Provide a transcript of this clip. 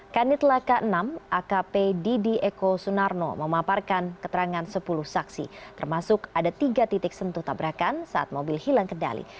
kanit laka enam akp didi eko sunarno memaparkan keterangan sepuluh saksi termasuk ada tiga titik sentuh tabrakan saat mobil hilang kendali